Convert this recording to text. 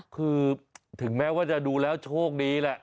คือถึงแม้ว่าจะดูแล้วโชคดีแหละ